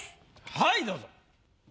はいどうぞ。